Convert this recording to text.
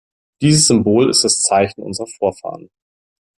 Dieses Symbol ist das Zeichen unserer Vorfahren.